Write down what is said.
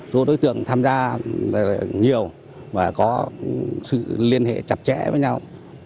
số đối tượng tham gia nhiều và có sự liên hệ chặt chẽ với nhau